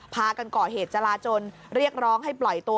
พากันก่อเหตุจราจนเรียกร้องให้ปล่อยตัว